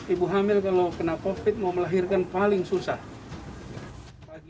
ibu hamil kalau kena covid mau melahirkan paling susah